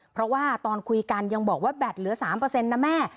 เพราะว่าตอนคุยกันยังบอกว่าแบตเหลือ๓นะแม่